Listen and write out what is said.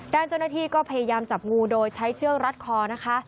ด้านเจ้าหน้าที่ก็พยายามจับงูโดยใช้เชือกรัดคอนะคะ